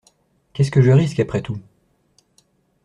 Qu’est-ce que je risque, après tout?